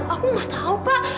aku nggak tahu pak